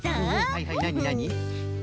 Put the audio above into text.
はいはいなになに？